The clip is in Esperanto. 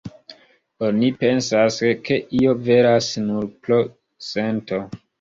Oni pensas, ke io veras, nur pro sento.